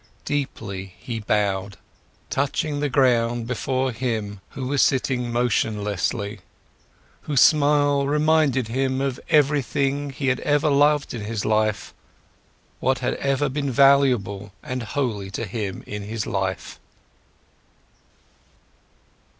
Deeply, he bowed, touching the ground, before him who was sitting motionlessly, whose smile reminded him of everything he had ever loved in his life, what had ever been valuable and holy to him in his life.